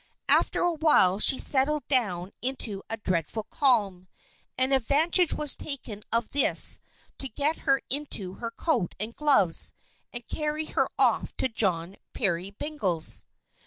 After a while she settled down into a dreadful calm, and advantage was taken of this to get her into her coat and gloves, and carry her off to John Peerybingle's.